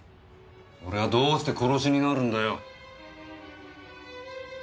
それがどうして殺しになるんだよ！？